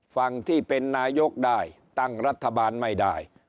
ฝั่งที่เป็นนายกได้ตั้งรัฐบาลไม่ได้